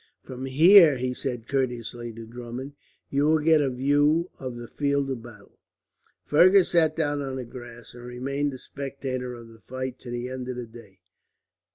"From here," he said courteously to Drummond, "you will get a view of the field of battle." Fergus sat down on the grass, and remained a spectator of the fight to the end of the day.